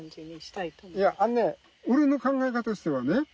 いやあんねえ俺の考え方としてはね